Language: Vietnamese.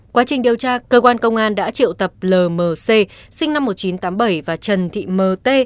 quá trình điều tra cơ quan công an đã triệu tập lmc sinh năm một nghìn chín trăm tám mươi bảy và trần thị mt